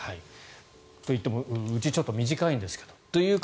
といっても、うちちょっと短いんですけどという方。